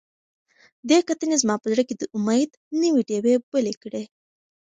دې کتنې زما په زړه کې د امید نوې ډیوې بلې کړې.